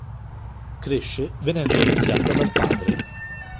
Cresce venendo viziata dal padre.